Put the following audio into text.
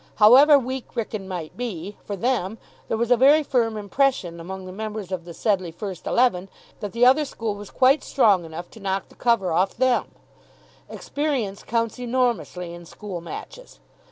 However weak Wrykyn might be for them there was a very firm impression among the members of the Sedleigh first eleven that the other school was quite strong enough to knock the cover off them. Experience counts enormously in school matches.